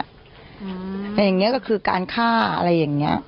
แต่อย่างนี้ก็คือการฆ่าอะไรอย่างนี้